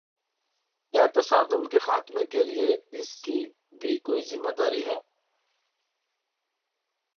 کیا تصادم کے خاتمے کے لیے اس کی بھی کوئی ذمہ داری ہے؟